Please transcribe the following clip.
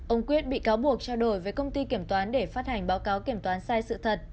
ông quyết bị cáo buộc trao đổi với công ty kiểm toán để phát hành báo cáo kiểm toán sai sự thật